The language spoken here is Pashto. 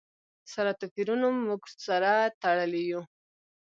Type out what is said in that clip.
سره توپیرونو موږ سره تړلي یو.